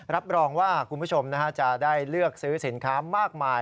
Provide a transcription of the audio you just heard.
รับรองว่าคุณผู้ชมจะได้เลือกซื้อสินค้ามากมาย